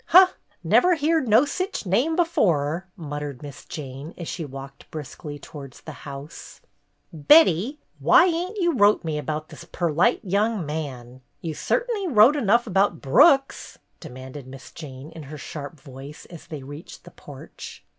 "Huh ! Never heerd no sich name before 1" muttered Miss Jane, and she walked briskly towards the house. MISS JANE ARRIVES 151 ''Betty, w'y ain't you wrote me about this perlite young man? You cert'n'y wrote enough about Brooks," demanded Miss Jane in her sharp voice, as they reached the porch.